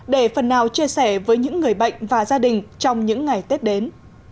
để phần nào chia sẻ với những người bệnh và gia đình trong những ngày tết đến